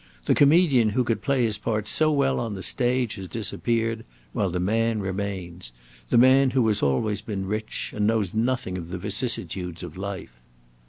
The comedian who could play his part so well on the stage has disappeared; while the man remains the man who has always been rich, and knows nothing of the vicissitudes of life."